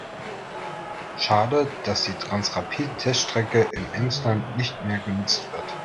Schade, dass die Transrapid-Teststrecke im Emsland nicht mehr genutzt wird.